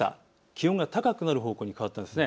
気温が高くなるほうに変わったんです。